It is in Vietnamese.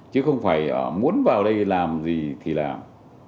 chứ không phải muốn vào đây làm gì thì làm